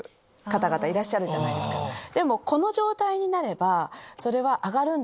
でもこの状態になれば。